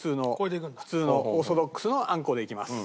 普通のオーソドックスのあんこでいきます。